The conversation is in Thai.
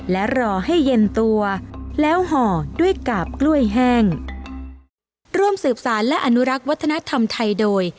และรอให้เย็นตัวแล้วห่อด้วยกาบกล้วยแห้งร่วมสืบสารและอนุรักษ์วัฒนธรรมไทยโดย